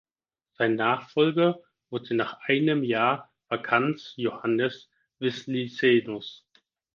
Sein Nachfolger wurde nach einem Jahr Vakanz Johannes Wislicenus.